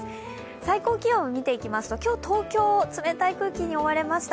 最高気温見ていきますと、今日東京冷たい空気に覆われました。